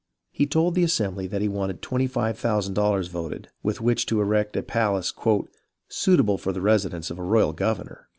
He told the Assem bly that he wanted twenty five thousand dollars voted, with which to erect a palace " suitable for the residence of a royal governor."